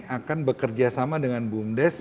akan bekerja sama dengan bumdes